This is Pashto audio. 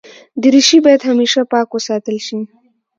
دریشي باید همېشه پاک وساتل شي.